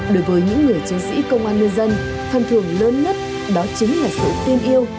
đối với những người chiến sĩ công an nhân dân phần thưởng lớn nhất đó chính là sự tin yêu